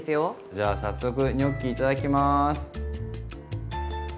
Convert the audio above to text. じゃあ早速ニョッキいただきます。